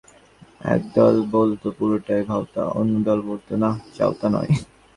এক দল বলত পুরোটাই ভাঁওতা, অন্য দল বলত, না, চাঁওতা নয়।